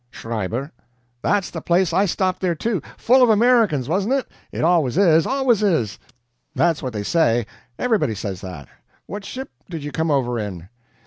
"Schreiber." "That's the place! I stopped there too. FULL of Americans, WASN'T it? It always is always is. That's what they say. Everybody says that. What ship did you come over in?"